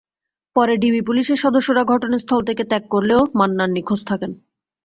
পরে ডিবি পুলিশের সদস্যরা ঘটনাস্থল থেকে ত্যাগ করলেও মান্নান নিখোঁজ থাকেন।